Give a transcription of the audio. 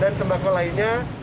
dan sembako lainnya